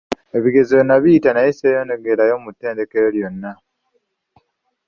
Ebigezo nabiyita naye sseeyongera yo mu ttendekero lyonna!